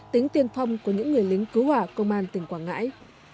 tính tiên phong của những người lính cứu hỏa công an tỉnh quảng ngãi